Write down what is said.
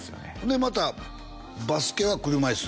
でまたバスケは車いす？